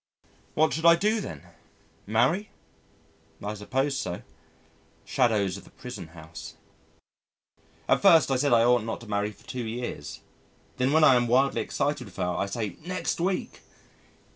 ... What should I do then? Marry? I suppose so. Shadows of the prison house. At first I said I ought not to marry for two years. Then when I am wildly excited with her I say "next week."